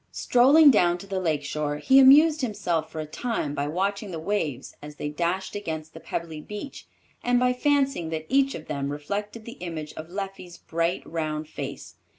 Strolling down to the lake shore, he amused himself for a time by watching the waves as they dashed against the pebbly beach, and by fancying that each of them reflected the image of Leffie's bright, round face.